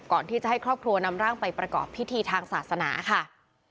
ก่อนที่จะให้ครอบครัวนำร่างไปประกอบพิธีทางศาสนาค่ะ